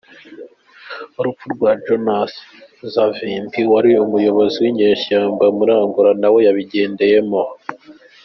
Urupfu rwa Jonasi savimbi wari umuyobozi w’inyeshyamba muri Angola nawe yabigendeyemo.